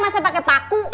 masa pake paku